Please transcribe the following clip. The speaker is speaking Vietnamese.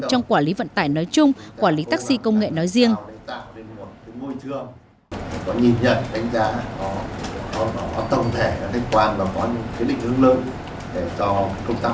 trong quản lý vận tải nói chung quản lý taxi công nghệ nói riêng